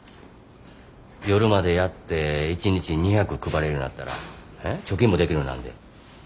夜までやって一日２００配れるようになったら貯金もできるようになるで。